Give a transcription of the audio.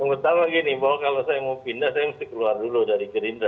pertama gini bahwa kalau saya mau pindah saya mesti keluar dulu dari gerindra